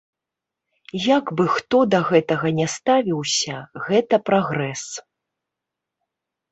Як бы хто да гэтага не ставіўся, гэта прагрэс.